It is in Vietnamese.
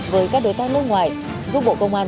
với các đối tác nước ngoài giúp bộ công an